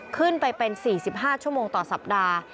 ขึ้นไปเป็น๔๕ชั่วโมงต่อสัปดาห์